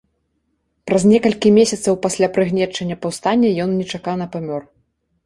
Праз некалькі месяцаў пасля прыгнечання паўстання ён нечакана памёр.